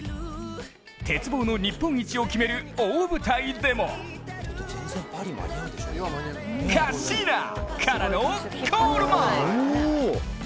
鉄棒の日本一を決める大舞台でもカッシーナからのコールマン！